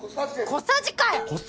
小さじかよっ！